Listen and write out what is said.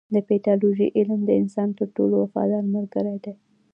د پیتالوژي علم د انسان تر ټولو وفادار ملګری دی.